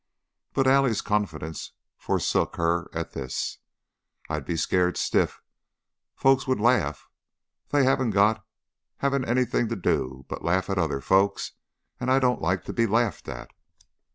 But Allie's confidence forsook her at this. "I'd be scared stiff. Folks would laugh. They haven't got haven't anything to do but laugh at other folks, and I don't like to be laughed at."